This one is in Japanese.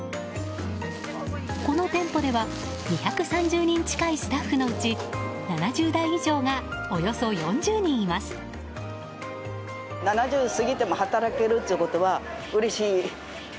この店舗では２３０人近いスタッフのうち７０代以上がおよそ４０人います。